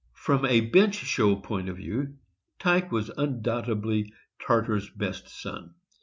383 From a bench show point of view, Tyke was undoubt edly Tartar's best son.